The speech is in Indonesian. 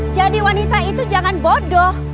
jadi wanita itu jangan bodoh